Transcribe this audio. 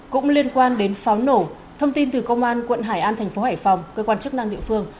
cũng liên quan đến pháo nổ thông tin từ công an quận hải an thành phố hải phòng cơ quan chức năng địa phương